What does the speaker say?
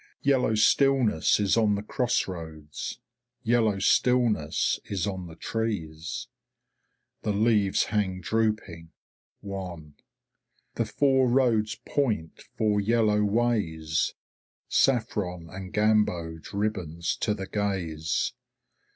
Yellow stillness is on the cross roads, yellow stillness is on the trees. The leaves hang drooping, wan. The four roads point four yellow ways, saffron and gamboge ribbons to the gaze.